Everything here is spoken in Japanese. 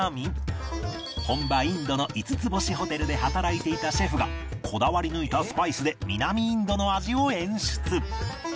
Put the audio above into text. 本場インドの５つ星ホテルで働いていたシェフがこだわり抜いたスパイスで南インドの味を演出